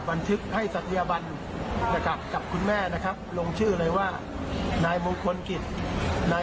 ถ้าคุณไม่กล้าก็แสดงว่าพวกคุณมันก็คือแค่คนกระจอกคนอื่น